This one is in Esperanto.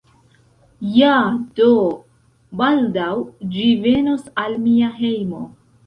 Ja, do, baldaŭ ĝi venos al mia hejmo